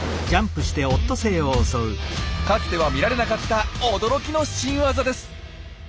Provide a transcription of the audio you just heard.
かつては見られなかった驚きの「新ワザ」です。